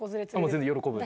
全然、喜ぶ。